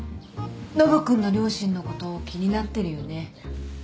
ノブ君の両親のこと気になってるよね？